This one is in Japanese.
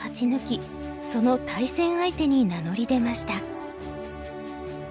その対戦相手に名乗り出ました。